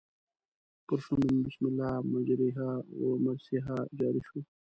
پر شونډو مې بسم الله مجریها و مرسیها جاري شو.